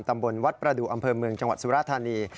ตำบลวัดประดูกอำเภอเมืองจังหวัดสุราธานี